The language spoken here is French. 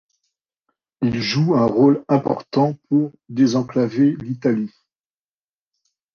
Ils jouent un rôle important pour désenclaver l’Italie.